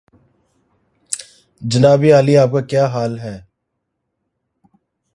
The anthrones are used in pharmacy as laxative.